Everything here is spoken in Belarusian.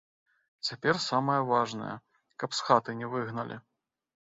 Цяпер самае важнае, каб з хаты не выгналі.